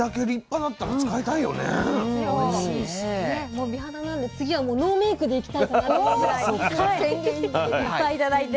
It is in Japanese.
もう美肌なんで次はもうノーメイクで行きたいかなと思うぐらいいっぱい頂いて。